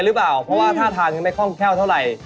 แต่แต่เวลากองยังไม่หนึบเท่าไร